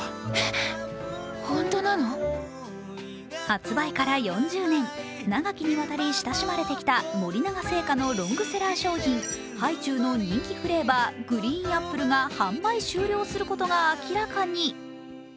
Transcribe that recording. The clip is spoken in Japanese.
発売から４０年、長きにわたり親しまれてきた森永製菓のロングセラー商品ハイチュウの人気フレーバーグリーンアップルが販売終了することが明らかに。